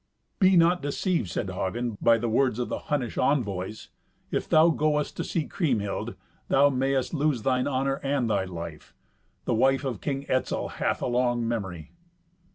"Be not deceived," said Hagen, "by the words of the Hunnish envoys. If thou goest to see Kriemhild, thou mayst lose thine honour and thy life. The wife of King Etzel hath a long memory."